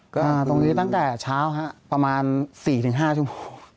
ก็ตรงนี้ตั้งแต่เช้าครับประมาณ๔๕ชั่วโมง